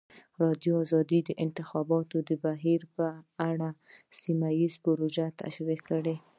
ازادي راډیو د د انتخاباتو بهیر په اړه سیمه ییزې پروژې تشریح کړې.